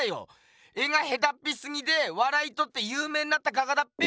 絵がへたっぴすぎてわらいとってゆうめいになった画家だっぺよ！